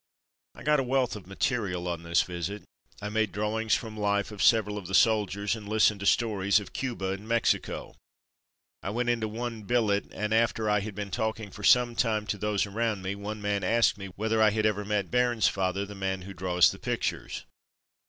I got a wealth of material on this visit. I made drawings from life of several of the soldiers, and listened to stories of Cuba and Mexico. I went into one billet, and after T had been talking for some time to those around me one man asked me whether I had ever met Bairnsfather, ''the man who draws the pictures.